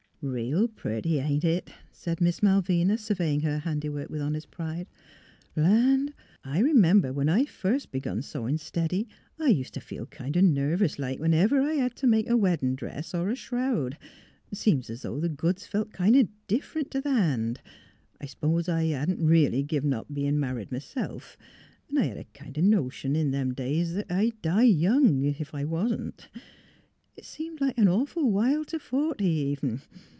" Eeel pretty, ain't it! " said Miss Malvina, surveying her handiwork with honest pride. '' Land! I r 'member, when I first b'giin sewin' stiddy, I ust t' feel kind o' nervous like when ever I had t' make a wedd'n dress, er a shroud; seems 's o' th' goods felt kind o' differ 'nt t' th' han'. ... I s'pose I hadn't reely give up bein' married m'self, 'n' I hed kind of a notion in them days 'at I'd die young, ef I wasn't. It seemed like an awful while t' forty, even.